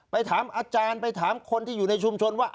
ถามอาจารย์ไปถามคนที่อยู่ในชุมชนว่า